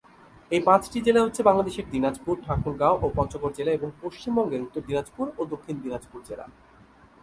এই পাঁচটি জেলা হচ্ছে বাংলাদেশের দিনাজপুর, ঠাকুরগাঁও ও পঞ্চগড় জেলা এবং পশ্চিমবঙ্গের উত্তর দিনাজপুর ও দক্ষিণ দিনাজপুর জেলা।